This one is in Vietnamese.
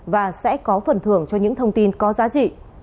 và sẽ có phần thưởng cho những thông tin có giá trị